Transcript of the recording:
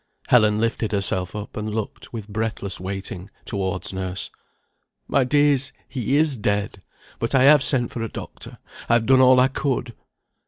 Helen lifted herself up, and looked, with breathless waiting, towards nurse. "My dears, he is dead! But I have sent for a doctor. I have done all I could."